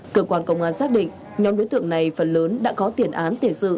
cơ quan công an xác định nhóm đối tượng này phần lớn đã có tiền án tiền sự